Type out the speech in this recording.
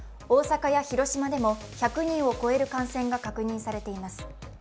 大阪や広島でも１００人を超える感染が確認されています。